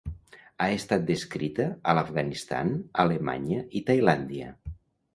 Ha estat descrita a l'Afganistan, Alemanya i Tailàndia.